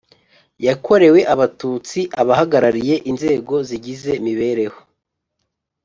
Yakorewe abatutsi abahagarariye inzego zigize mibereho